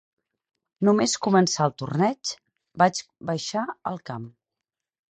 Només començar el torneig, vaig baixar al camp.